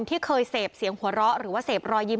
ที่เคยเสพเสียงหัวเราะหรือว่าเสพรอยยิ้ม